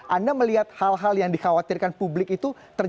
anda melihat hal hal yang dikhawatirkan publik itu terjadi